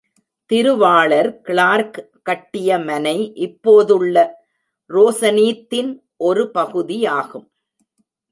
திருவாளர் கிளார்க் கட்டிய மனை இப்போதுள்ள ரோசனீத் தின் ஒரு பகுதியாகும்.